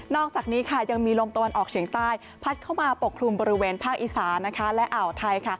อกจากนี้ค่ะยังมีลมตะวันออกเฉียงใต้พัดเข้ามาปกคลุมบริเวณภาคอีสานและอ่าวไทย